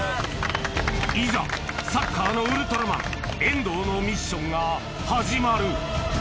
いざサッカーのウルトラマン遠藤のミッションが始まる